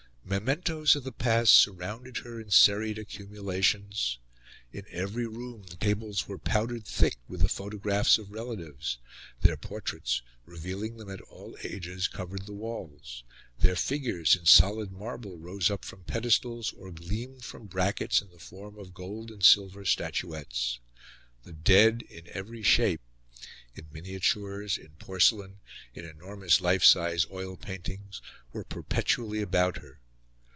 Mementoes of the past surrounded her in serried accumulations. In every room the tables were powdered thick with the photographs of relatives; their portraits, revealing them at all ages, covered the walls; their figures, in solid marble, rose up from pedestals, or gleamed from brackets in the form of gold and silver statuettes. The dead, in every shape in miniatures, in porcelain, in enormous life size oil paintings were perpetually about her.